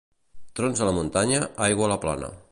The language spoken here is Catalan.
Trons a la muntanya, aigua a la plana.